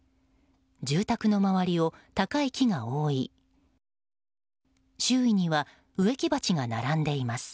住宅の周りを高い木が覆い周囲には植木鉢が並んでいます。